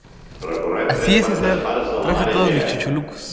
Recorrem tres quartes parts de la mar Egea.